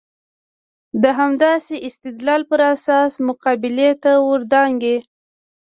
د همداسې استدلال پر اساس مقابلې ته ور دانګي.